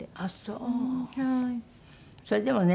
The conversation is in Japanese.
それでもね